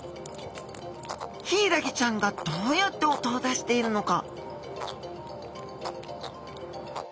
ヒイラギちゃんがどうやって音を出しているのか？